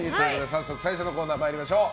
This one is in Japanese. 早速最初のコーナー参りましょう。